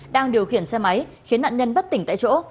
đang điều khiển xe máy khiến nạn nhân bất tỉnh tại chỗ